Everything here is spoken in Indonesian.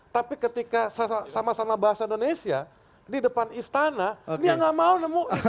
tapi ketika sama sama bahasa indonesia di depan istana dia nggak mau nemu